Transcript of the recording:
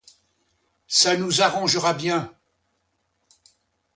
Ça nous arrangera bien.